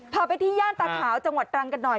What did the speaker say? พาไปที่ย่านตาขาวจังหวัดตรังกันหน่อย